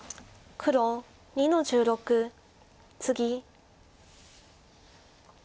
黒２の十六ツギ。